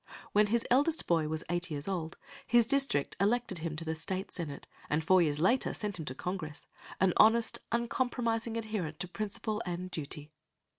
When his eldest boy was eight years old, his district elected him to the State senate, and four years later sent him to Congress, an honest, uncompromising adherent to principle and duty.